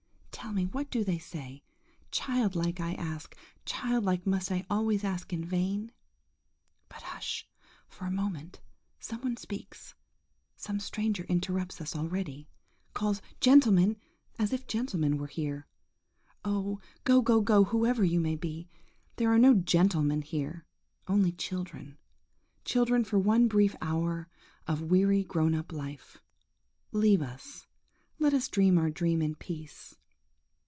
Tell me, what do they say? Childlike, I ask, childlike must I always ask in vain? But hush for a moment! some one speaks; some stranger interrupts us already!–calls, "gentlemen!" as if gentlemen were here. Oh! go, go, go, whoever you may be. There are no gentlemen here–only children: children for one brief hour of weary grown up life. Leave us; let us dream our dream in peace.